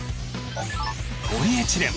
ポリエチレン。